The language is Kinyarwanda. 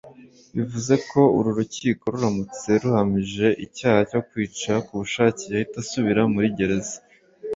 bivuze ko uru rukiko ruramutse rumuhamije icyaha cyo kwica ku bushake yahita asubira muri gereza